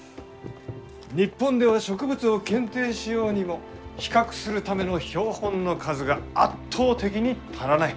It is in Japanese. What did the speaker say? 日本では植物を検定しようにも比較するための標本の数が圧倒的に足らない。